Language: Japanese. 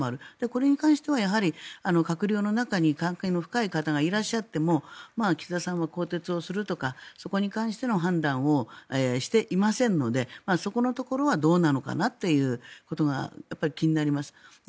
これに関しては閣僚の中に関係の深い方がいらっしゃっても岸田さんは更迭をするとかそこに関しての判断をしていませんのでそこのところはどうなのかなということが気になります。